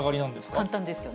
簡単ですよね。